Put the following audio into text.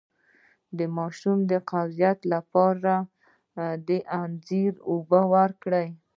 د ماشوم د قبضیت لپاره د انځر اوبه ورکړئ